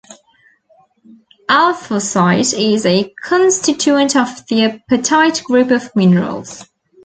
Alforsite is a constituent of the apatite group of minerals.